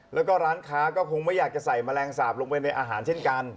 แล้วก็ร้านค้าก็คงไม่อยากจะใส่แมลงสาปลงไปในอาหารเช่นกัน